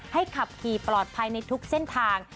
ขับขี่ปลอดภัยในทุกเส้นทาง